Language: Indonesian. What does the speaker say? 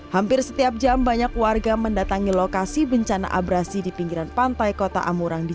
hampir setiap jam banyak warga mendatangi lokasi bencana abrasi di pinggiran pantai kota amurang di